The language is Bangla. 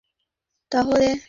ঠিক আছে, তাহলে।